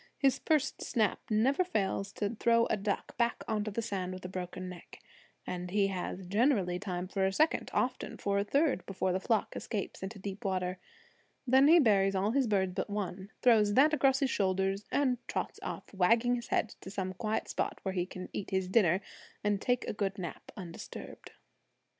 His first snap never fails to throw a duck back onto the sand with a broken neck; and he has generally time for a second, often for a third, before the flock escapes into deep water. Then he buries all his birds but one, throws that across his shoulders, and trots off, wagging his head, to some quiet spot where he can eat his dinner and take a good nap undisturbed.